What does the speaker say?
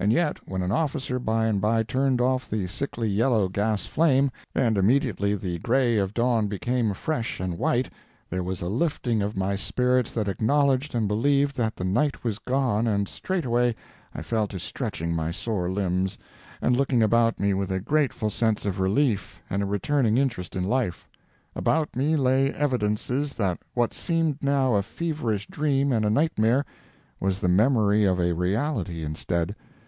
And yet, when an officer by and by turned off the sickly yellow gas flame, and immediately the gray of dawn became fresh and white, there was a lifting of my spirits that acknowledged and believed that the night was gone, and straightway I fell to stretching my sore limbs, and looking about me with a grateful sense of relief and a returning interest in life. About me lay evidences that what seemed now a feverish dream and a nightmare was the memory of a reality instead.